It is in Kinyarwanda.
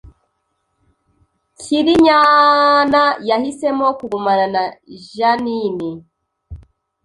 Cyrinyana yahisemo kugumana na Jeaninne